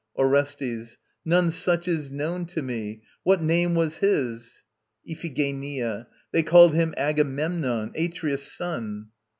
ORESTES. None such is known to me. What name was his? IPHIGENIA. They called him Agamemnon, Atreus' son.